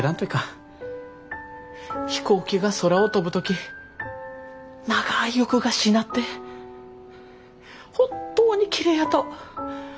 飛行機が空を飛ぶ時長い翼がしなって本当にきれいやと。